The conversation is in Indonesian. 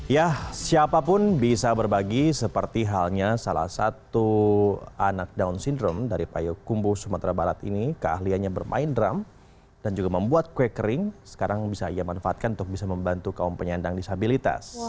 ya siapapun bisa berbagi seperti halnya salah satu anak down syndrome dari payokumbo sumatera barat ini keahliannya bermain drum dan juga membuat kue kering sekarang bisa ia manfaatkan untuk bisa membantu kaum penyandang disabilitas